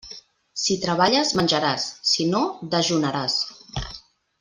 Si treballes, menjaràs; i si no, dejunaràs.